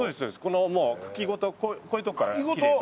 このもう茎ごとこういうとこから切れば。